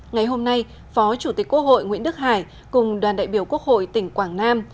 ngày hôm nay phó chủ tịch quốc hội nguyễn đức hải cùng đoàn đại biểu quốc hội tỉnh quảng nam